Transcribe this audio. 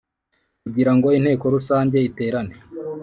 kugirango Inteko Rusange iterane